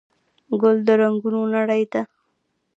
ګل د رنګونو نړۍ ده.